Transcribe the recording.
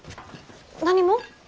何も？